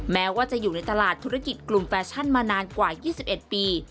แม้ว่าจะอยู่ในตลาดธุรกิจกลุ่มแฟชั่นมานานกว่า๒๑ปี